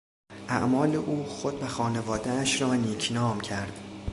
اعمال او خود و خانوادهاش را نیکنام کرد.